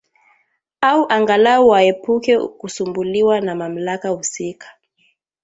au angalau waepuke kusumbuliwa na mamlaka husika